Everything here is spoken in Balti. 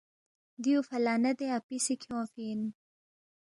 دیُو فلانہ دے اپی سی کھیونگفی اِن